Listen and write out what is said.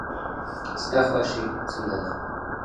ستا خواشي څنګه ده.